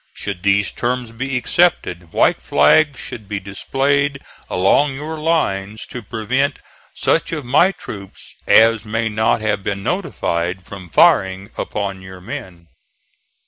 Should these terms be accepted, white flags should be displayed along your lines to prevent such of my troops as may not have been notified, from firing upon your men."